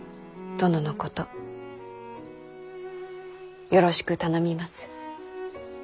殿のことよろしく頼みます。